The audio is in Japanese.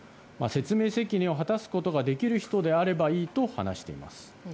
説明責任を果たすことができる人であればいいと話しています。